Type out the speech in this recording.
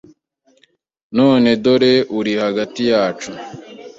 none dore uri hagati yacu”